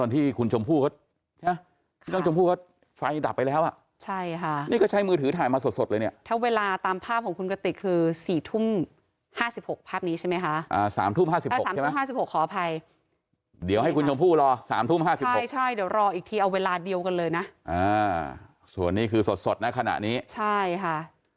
๔ทุ่ม๕๖ภาพนี้ใช่ไหมคะ๓ทุ่ม๕๖ขออภัยเดี๋ยวให้คุณชมพู่รอ๓ทุ่ม๕๖ใช่เดี๋ยวรออีกทีเอาเวลาเดียวกันเลยนะส่วนนี้คือสดนะขณะนี้ใช่ค่ะ